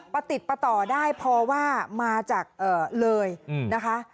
ประติดประต่อได้พอว่ามาจากเลยนะคะ